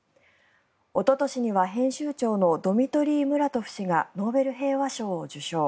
おととしには編集長のドミトリー・ムラトフ氏がノーベル平和賞を受賞。